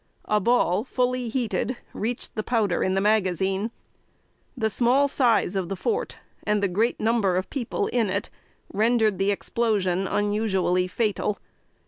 A ball, fully heated, reached the powder in the magazine. The small size of the fort, and the great number of people in it, rendered the explosion unusually fatal.